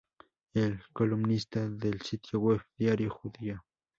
Es columnista del sitio web "Diario Judío".